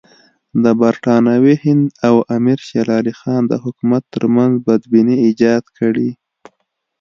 د برټانوي هند او امیر شېر علي خان د حکومت ترمنځ بدبیني ایجاد کړي.